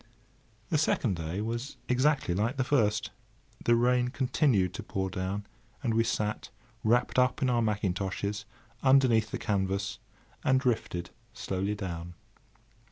The second day was exactly like the first. The rain continued to pour down, and we sat, wrapped up in our mackintoshes, underneath the canvas, and drifted slowly down.